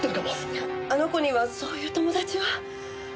いやあの子にはそういう友達は。